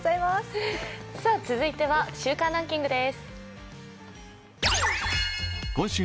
続いては週間ランキングです。